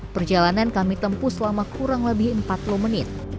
perjalanan kami tempuh selama kurang lebih empat puluh menit